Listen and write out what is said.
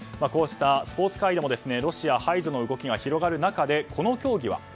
こうしたスポーツ界でもロシア排除の動きが広がる中で、この競技は。